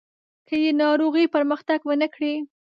که یې ناروغي پرمختګ ونه کړي.